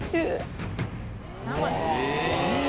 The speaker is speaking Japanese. うわ。